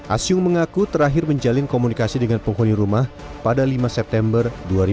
asyung mengaku terakhir menjalin komunikasi dengan penghuni rumah pada lima september dua ribu dua puluh